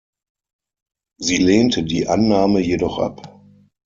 Sie lehnte die Annahme jedoch ab.